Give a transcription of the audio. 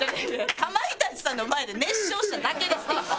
かまいたちさんの前で熱唱しただけですって今。